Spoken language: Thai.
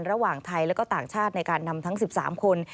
ระหว่างไทยและก็ต่างชาติในการนำทั้ง๑๓คน